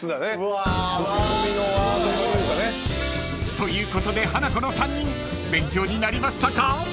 ［ということでハナコの３人勉強になりましたか？］